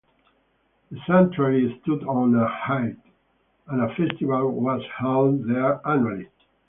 The sanctuary stood on a height, and a festival was held there annually.